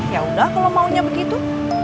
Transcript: ya udah kalau maunya begitu